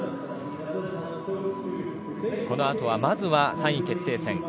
このあとは、まずは３位決定戦。